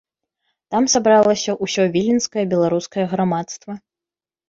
Там сабралася ўсё віленскае беларускае грамадства.